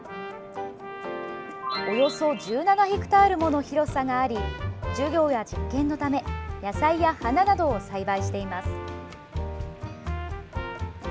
およそ１７ヘクタールもの広さがあり授業や実験のため野菜や花などを栽培しています。